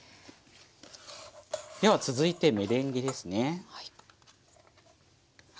では続いてメレンゲですね。